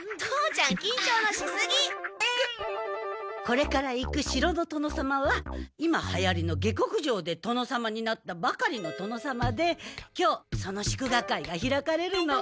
これから行く城の殿様は今はやりの下克上で殿様になったばかりの殿様で今日その祝賀会が開かれるの。